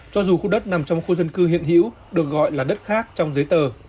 cho dù khu đất nằm trong khu dân cư hiện hữu được gọi là đất khác trong giấy tờ